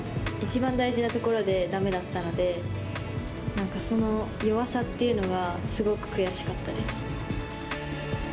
一番大事なところでだめだったので、なんかその弱さっていうのがすごく悔しかったです。